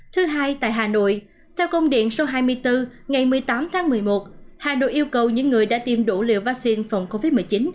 thứ hai tại hà nội theo công điện số hai mươi bốn ngày một mươi tám tháng một mươi một hà nội yêu cầu những người đã tiêm đủ liều vaccine phòng covid một mươi chín